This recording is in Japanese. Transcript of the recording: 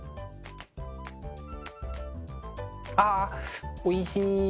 あおいしい！